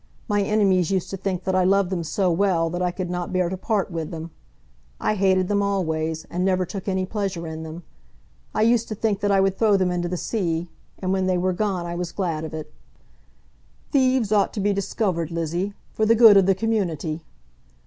My enemies used to think that I loved them so well that I could not bear to part with them. I hated them always, and never took any pleasure in them. I used to think that I would throw them into the sea; and when they were gone I was glad of it." "Thieves ought to be discovered, Lizzie, for the good of the community."